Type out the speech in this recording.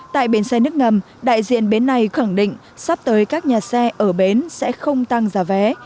tại bến xe nước ngầm đại diện bến này khẳng định sắp tới các nhà xe ở bến sẽ không tăng giá vé